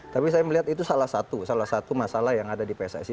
tapi saya melihat itu salah satu masalah yang ada di pssi